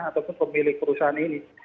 ataupun pemilik perusahaan ini